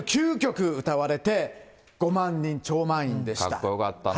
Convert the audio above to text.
３９曲歌われて、５万人、超満員でした。